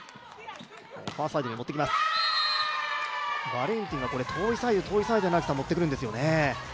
バレンティンが遠いサイド、遠いサイドへ持ってくるんですよね。